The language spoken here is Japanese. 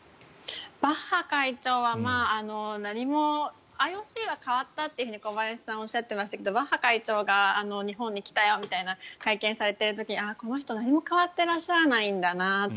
バッハ会長は何もＩＯＣは変わったと小林さんはおっしゃってましたけどバッハ会長が日本に来たよみたいな会見をされている時この人、何も変わっていらっしゃらないんだなと。